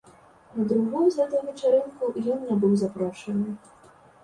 На другую за той вечарынку ён не быў запрошаны.